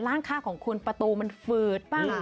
ร่างคาของคุณประตูมันฝืดบ้าง